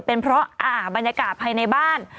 เป็นเพราะบรรยากาศภายในบ้าน